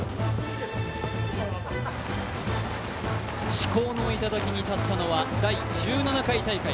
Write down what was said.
至高の頂に立ったのは第１７回大会。